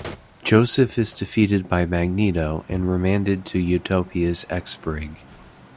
Joseph is defeated by Magneto and remanded to Utopia's X-Brig.